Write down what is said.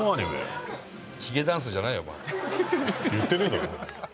富澤：言ってねえだろ。